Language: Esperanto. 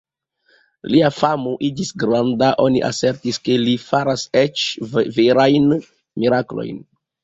Lia famo iĝis granda; oni asertis ke li faras eĉ verajn miraklojn.